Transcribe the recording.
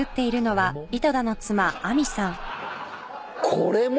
これも？